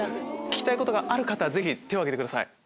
聞きたいことがある方ぜひ手を挙げてください。